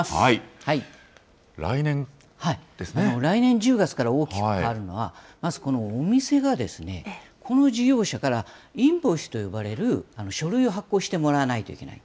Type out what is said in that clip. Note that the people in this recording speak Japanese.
来年１０月から大きく変わるのは、まずこのお店が、この事業者からインボイスと呼ばれる書類を発行してもらわないといけない。